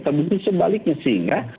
terbukti sebaliknya sehingga